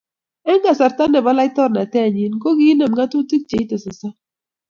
Eng kasarta nebo laitornatenyi kokiinem ngátutiik cheitei sosom.